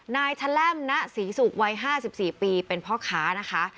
นายแชลมณศรีศุกร์วัยห้าสิบสี่ปีเป็นพ่อค้านะคะ